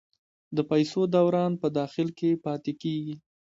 د پیسو دوران په داخل کې پاتې کیږي؟